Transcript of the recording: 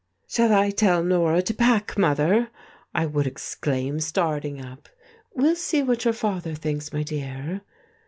"Shall I tell Norah to pack, mother," I would exclaim, starting up. "We'll see what your father thinks, my dear."